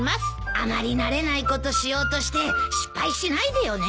あまり慣れないことしようとして失敗しないでよね。